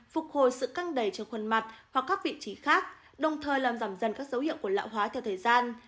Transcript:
phục hồi sự căng đầy trong khuôn mặt hoặc các vị trí khác đồng thời làm giảm dần các dấu hiệu của lão hóa theo thời gian